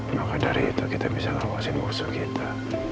maka dari itu kita bisa ngawasin musuh kita